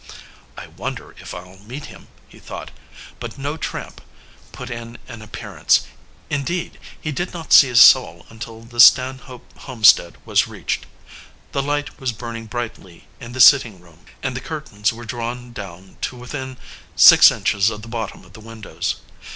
"I wonder if I'll meet him," he thought, but no tramp put in an appearance; indeed, he did not see a soul until the Stanhope homestead was reached. A light was burning brightly in the sitting room, and the curtains were drawn down to within six inches of the bottom of the windows.